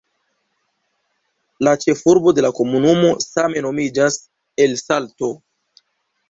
La ĉefurbo de la komunumo same nomiĝas "El Salto".